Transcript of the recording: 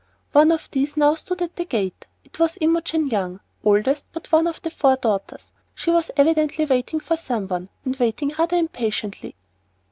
One of these now stood at the gate. It was Imogen Young, oldest but one of the four daughters. She was evidently waiting for some one, and waiting rather impatiently.